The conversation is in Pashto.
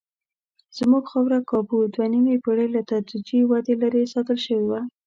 زموږ خاوره کابو دوه نیمې پېړۍ له تدریجي ودې لرې ساتل شوې وه.